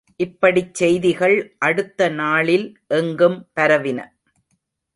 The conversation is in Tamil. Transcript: இப்படிச் செய்திகள் அடுத்த நாளில் எங்கும் பரவின.